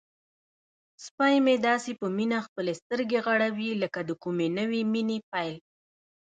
سپی مې داسې په مینه خپلې سترګې غړوي لکه د کومې نوې مینې پیل.